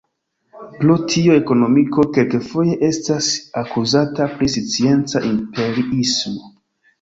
Pro tio ekonomiko kelkfoje estas akuzata pri scienca imperiismo.